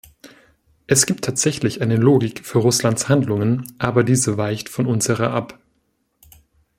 Es gibt tatsächlich eine Logik für Russlands Handlungen, aber diese weicht von unserer ab.